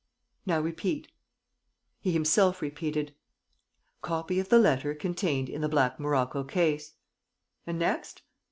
... Now, repeat." He himself repeated, "'Copy of the letter contained in the black morocco case.' And next?